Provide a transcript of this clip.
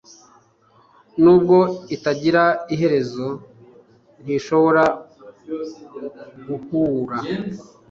nubwo itagira iherezo, ntishobora guhura